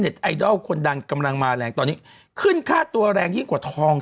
ไอดอลคนดังกำลังมาแรงตอนนี้ขึ้นค่าตัวแรงยิ่งกว่าทอง